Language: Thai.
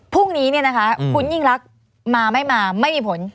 พรุ่งนี้เนี่ยนะคะคุณยิ่งรักมาไม่มาไม่มีผล